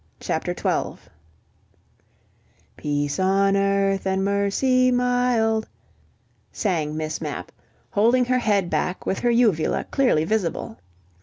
CHAPTER TWELVE "Peace on earth and mercy mild," sang Miss Mapp, holding her head back with her uvula clearly visible.